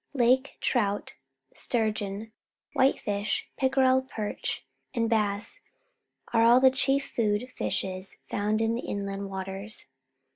Lake trout, sturgeon, whitefish, pick erel, perch, and bass are the cliief food fishes found in the inland waters.